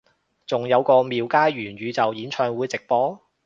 仲有個廟街元宇宙演唱會直播？